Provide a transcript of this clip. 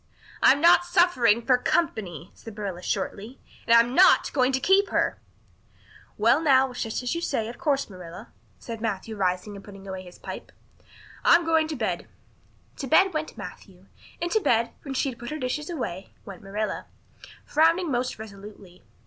"I'm not suffering for company," said Marilla shortly. "And I'm not going to keep her." "Well now, it's just as you say, of course, Marilla," said Matthew rising and putting his pipe away. "I'm going to bed." To bed went Matthew. And to bed, when she had put her dishes away, went Marilla, frowning most resolutely.